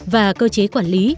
và cơ chế quản lý